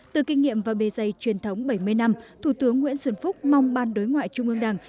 từ kinh nghiệm và bề dày truyền thống bảy mươi năm thủ tướng nguyễn xuân phúc mong ban đối ngoại trung ương đảng